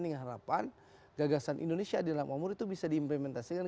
dengan harapan gagasan indonesia di dalam umur itu bisa diimplementasikan